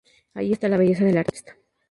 Ahí está la belleza del artista.